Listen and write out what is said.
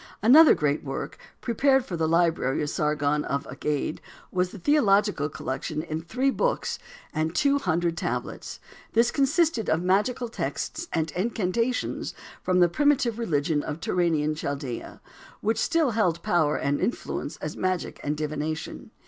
Another great work, prepared for the library of Sargon, of Agade, was a theological collection in three books and two hundred tablets. This consisted of magical texts and incantations from the primitive religion of Turanian Chaldea, which still held power and influence as magic and divination.